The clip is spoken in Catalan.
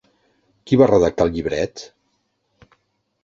Qui va redactar el llibret?